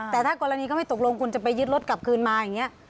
แต่ถ้ากรณีเขาไม่ตกลงคุณจะไปยึดรถกลับคืนมาอย่างนี้